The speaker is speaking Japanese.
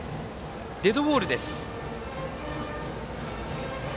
デッドボールです。